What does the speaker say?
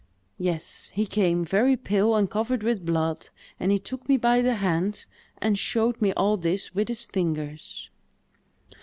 "Yes: he came, very pale, and covered with blood; and he took me by the hand and showed me all this with his fingers."